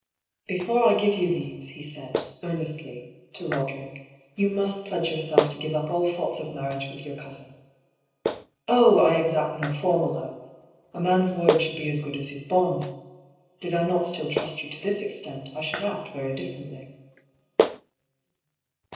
" Before I give you these," he said, earnestly to Eod erick, " you must pledge yourself to give up all thoughts of marriage with your cousin. Oh 1 I exact no formal oath. A man's word should be as good as his bond I Did I not still trust you to this extent, I should act very differently."